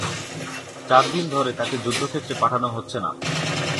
চার দিন ধরে তাকে যুদ্ধক্ষেত্রে পাঠানো হচ্ছে না।